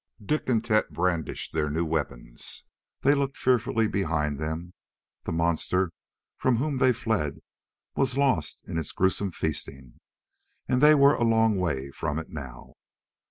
Dik and Tet brandished their new weapons. They looked fearfully behind them. The monster from whom they fled was lost in its gruesome feasting, and they were a long way from it, now.